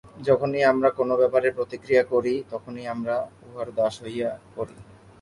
যখনই আমরা কোন ব্যাপারে প্রতিক্রিয়া করি, তখনই আমরা উহার দাস হইয়া পড়ি।